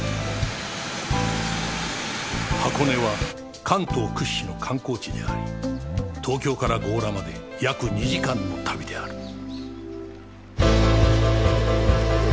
箱根は関東屈指の観光地であり東京から強羅まで約２時間の旅である